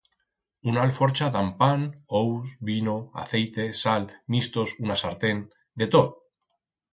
Una alforcha dan pan, ous, vino, aceite, sal, mistos, una sartén… de tot.